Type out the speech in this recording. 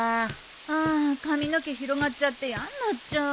あ髪の毛広がっちゃってやんなっちゃう。